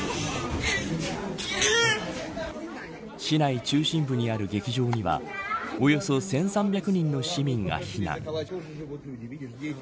市内中心部にある劇場にはおよそ１３００人の市民が避難。